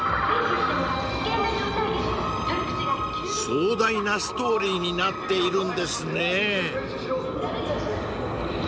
［壮大なストーリーになっているんですねぇ］